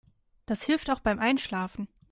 Das hilft auch beim Einschlafen.